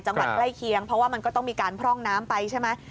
ใกล้เคียงเพราะว่ามันก็ต้องมีการพร่องน้ำไปใช่ไหม